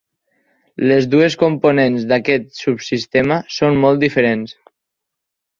Les dues components d'aquest subsistema són molt diferents.